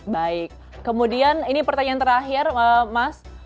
baik kemudian ini pertanyaan terakhir mas